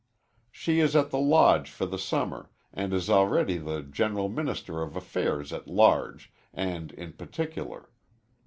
She is at the Lodge for the summer, and is already the general minister of affairs at large and in particular.